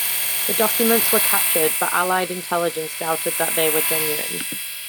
The documents were captured but Allied intelligence doubted that they were genuine.